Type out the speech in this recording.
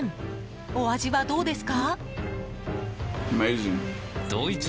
お味はどうですか？